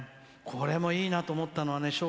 これもいいなと思ったのはね。